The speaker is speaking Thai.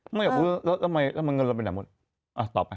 ไม่อยากรู้แล้วมันเงินเราไปไหนหมดเอาต่อไป